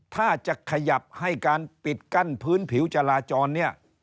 ถ้าจะขยับให้การปิดกั้นพื้นผิวจราจรเนี่ย